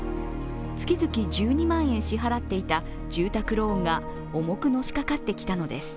月々１２万円支払っていた住宅ローンが重くのしかかったきたのです。